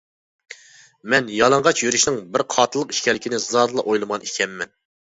مەن يالىڭاچ يۈرۈشنىڭ بىر قاتىللىق ئىكەنلىكىنى زادىلا ئويلىمىغان ئىكەنمەن.